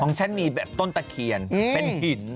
ของฉันมีแต้ลตะเขียนเป็นหิน